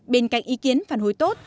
bên cạnh ý kiến phản hồi tốt